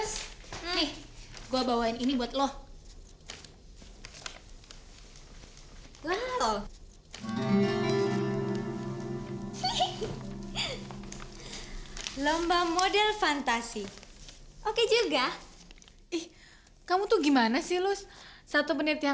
sampai jumpa di video selanjutnya